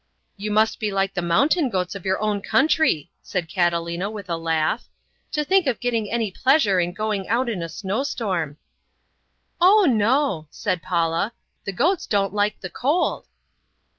"You must be like the mountain goats of your own country," said Catalina with a laugh. "To think of getting any pleasure in going out in a snowstorm!" "Oh, no!" said Paula. "The goats don't like the cold."